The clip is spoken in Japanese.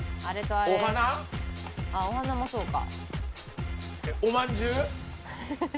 あっお花もそうか。